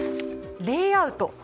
レイアウト。